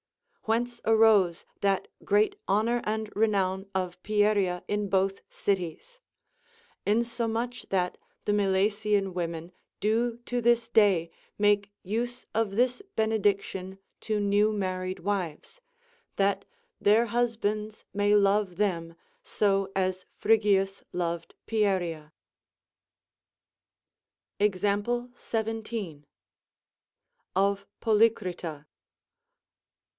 Whence arose that great honor and renown of Pieria in both cities ; inso much that the Milesian women do to this day make use of this benediction to new married wives, that their husbands may love them so as Phrygius loved Pieria. Example 17. Of Pohjcrita.